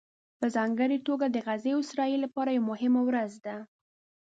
په ځانګړې توګه د غزې او اسرائیلو لپاره یوه مهمه ورځ ده